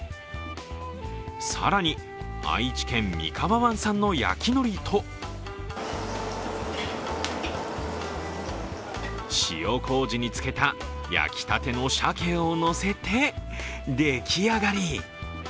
更に、愛知県・三河湾産の焼きのりと塩こうじに漬けた焼きたての鮭をのせて出来上がり。